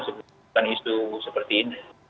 bukan isu seperti ini